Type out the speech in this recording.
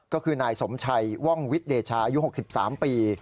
ก็คือนายสมชัยว่องวิทย์เดชายุ๖๓ปี